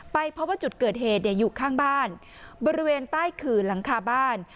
พบว่าจุดเกิดเหตุอยู่ข้างบ้านบริเวณใต้ขื่อหลังคาบ้าน